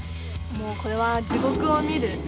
もうこれは地獄を見る。